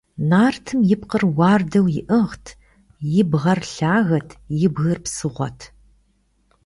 Нартым и пкъыр уардэу иӀыгът, и бгъэр лъагэт, и бгыр псыгъуэт.